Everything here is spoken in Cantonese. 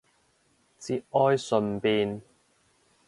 節哀順變